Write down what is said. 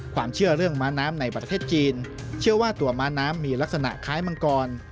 ความเชื่อเรื่องม้าน้ำในประเทศจีนเชื่อว่าตัวม้าน้ำมีลักษณะคล้ายมังกร